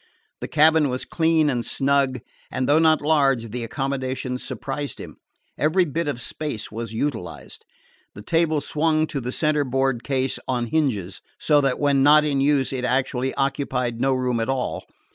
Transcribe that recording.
The cabin was clean and snug, and, though not large, the accommodations surprised him. Every bit of space was utilized. The table swung to the centerboard case on hinges, so that when not in use it actually occupied no room at all.